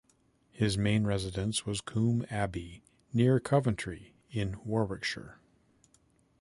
His main residence was Coombe Abbey, near Coventry in Warwickshire.